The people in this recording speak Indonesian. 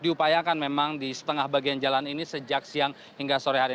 diupayakan memang di setengah bagian jalan ini sejak siang hingga sore hari